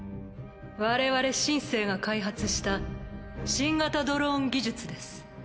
我々「シン・セー」が開発した新型ドローン技術です。